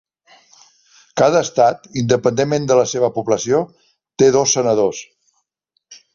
Cada estat, independentment de la seva població, té dos senadors.